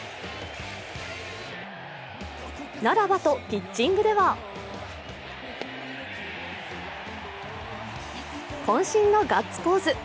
ならばと、ピッチングではこん身のガッツポーズ。